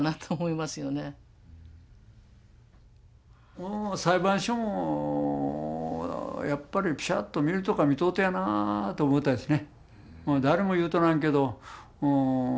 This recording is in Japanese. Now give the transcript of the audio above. もう裁判所もやっぱりぴしゃっと見るとこは見とうとやなと思ったですね。